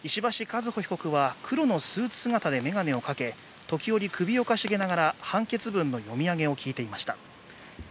和歩被告は黒のスーツ姿で眼鏡をかけ時折、首をかしげながら判決文の読み上げを聞いていました。